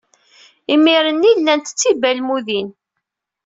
Imir-nni, llant d tibalmudin.